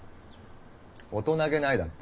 大人げないだって？